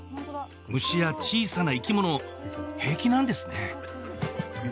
虫や小さな生き物平気なんですね